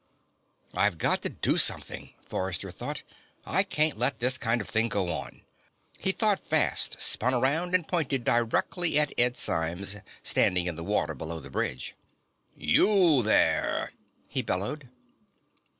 I've got to do something, Forrester thought. I can't let this kind of thing go on. He thought fast, spun around and pointed directly at Ed Symes, standing in the water below the bridge. "You, there!" he bellowed.